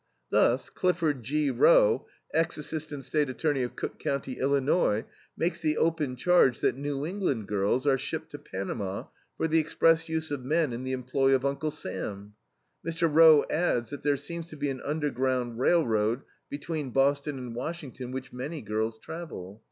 Thus Clifford G. Roe, ex Assistant State Attorney of Cook County, Ill., makes the open charge that New England girls are shipped to Panama for the express use of men in the employ of Uncle Sam. Mr. Roe adds that "there seems to be an underground railroad between Boston and Washington which many girls travel."